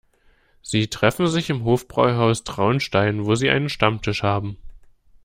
Sie treffen sich im Hofbräuhaus Traunstein, wo sie einen Stammtisch haben.